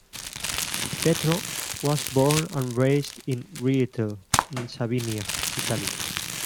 Petro was born and raised in Reate, in Sabinia, Italy.